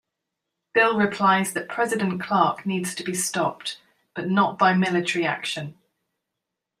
Bill replies that President Clark needs to be stopped, but not by military action.